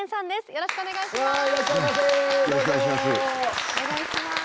よろしくお願いします。